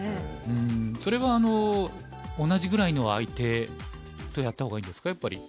それは同じぐらいの相手とやった方がいいんですかやっぱり。